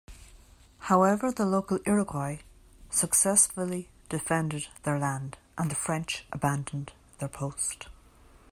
However, the local Iroquois successfully defended their land and the French abandoned their post.